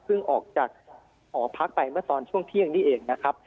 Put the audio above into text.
ออกจากหอพักไปเมื่อตอนช่วงเที่ยงนี่เองนะครับ